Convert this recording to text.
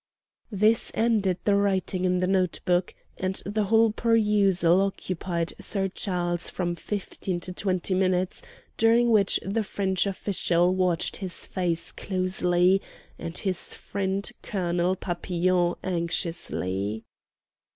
This ended the writing in the note book, and the whole perusal occupied Sir Charles from fifteen to twenty minutes, during which the French officials watched his face closely, and his friend Colonel Papillon anxiously.